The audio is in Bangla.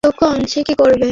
সে কী করবে?